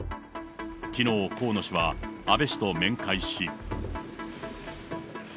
きのう、河野氏は安倍氏と面会し。